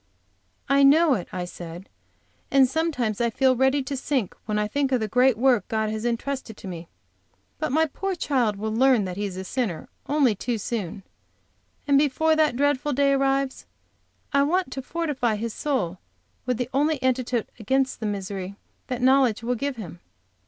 "I know it," I said, "and sometimes I feel ready to sink when I think of the great work God has intrusted to me. But my poor child will learn that he is a sinner only too soon, and before that dreadful day arrives I want to fortify his soul with the only antidote against the misery that knowledge will give him.